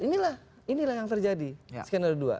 inilah inilah yang terjadi skenario dua